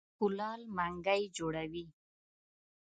کولال منګی جوړوي.